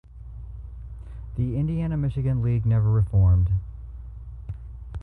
The Indiana–Michigan League never reformed.